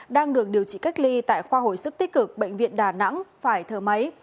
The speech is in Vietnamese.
đang được điều trị cách ly tại khoa hội sức tích cực bệnh viện đà nẵng phải thờ máy